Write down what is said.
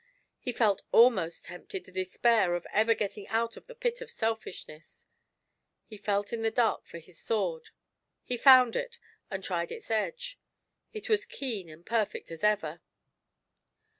He felt almost tempted to despair of ever getting out of the pit of Selfishness. He felt in the dark for his sword ; he found it, and tried its edge — it was keen and perfect as ever.